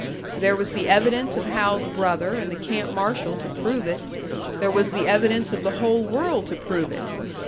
There was the evidence of Hal's brother and the camp marshal to prove it; there was the evidence of the whole world to prove it!